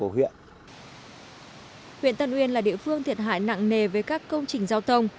huyện tân uyên là địa phương thiệt hại nặng nề với các công trình giao thông